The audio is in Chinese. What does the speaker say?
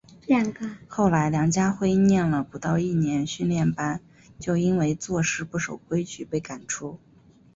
后来梁家辉念了不到一年训练班就因为做事不守规矩被赶出。